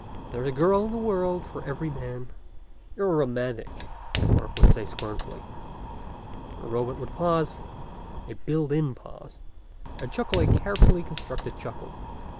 There's a girl in the world for every man." "You're a romantic!" Mark would say scornfully. The robot would pause a built in pause and chuckle a carefully constructed chuckle.